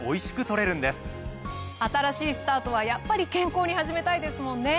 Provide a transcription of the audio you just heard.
新しいスタートはやっぱり健康に始めたいですもんね。